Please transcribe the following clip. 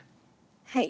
はい。